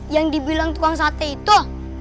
yang dibilang tukang sate itu